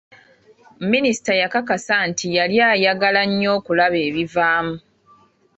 Minisita yakakasa nti yali ayagala nnyo okulaba ebivaamu .